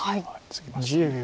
ツギました。